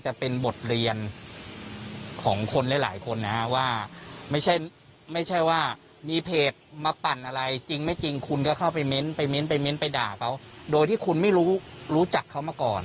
ใช่นะฮะเดี๋ยวฟังนะฮะ